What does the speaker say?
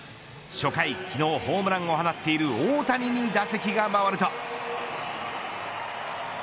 初回、昨日ホームランを放っている大谷に打席が回ると。